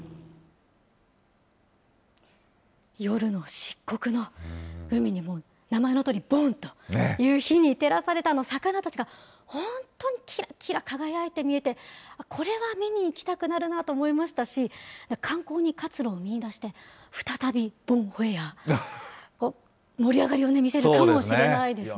夜の漆黒の海にもう、名前のとおり、ぼんという、火に照らされたあの魚たちが、本当にきらきら輝いて見えて、これは見に行きたくなるなと思いましたし、観光に活路を見いだして、再びボンホエヤー、盛り上がりを見せるかもしれないですよね。